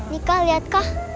nih kak lihat kak